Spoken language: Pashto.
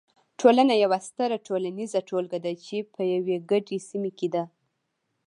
ټولنه یوه ستره ټولنیزه ټولګه ده چې په یوې ګډې سیمې کې ده.